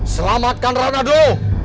selamatkan ratna dulu